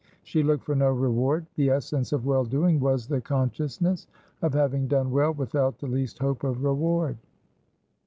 She looked for no reward; the essence of well doing was the consciousness of having done well without the least hope of reward.